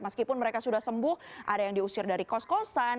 meskipun mereka sudah sembuh ada yang diusir dari kos kosan